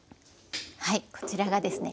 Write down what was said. はいこちらがですね